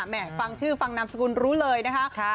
ฟังชื่อฟังนามสกุลรู้เลยนะคะ